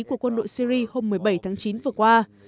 của quân đội syri hôm một mươi bảy tháng chín vừa qua